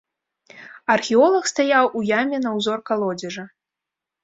Археолаг стаяў у яме на ўзор калодзежа.